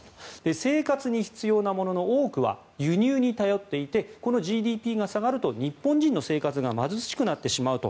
生活に必要なものの多くは輸入に頼っていてＧＤＰが下がると日本人の生活が貧しくなってしまうと。